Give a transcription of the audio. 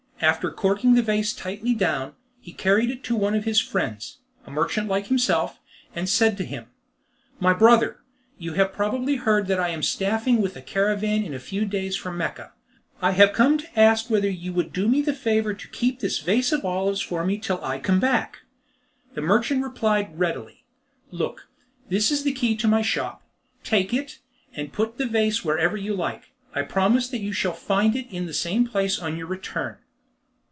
After corking the vase tightly down, he carried it to one of his friends, a merchant like himself, and said to him: "My brother, you have probably heard that I am staffing with a caravan in a few days for Mecca. I have come to ask whether you would do me the favour to keep this vase of olives for me till I come back?" The merchant replied readily, "Look, this is the key of my shop: take it, and put the vase wherever you like. I promise that you shall find it in the same place on your return."